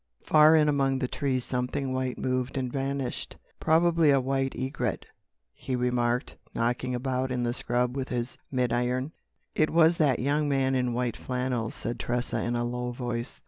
Far in among the trees something white moved and vanished. "Probably a white egret," he remarked, knocking about in the scrub with his midiron. "It was that young man in white flannels," said Tressa in a low voice.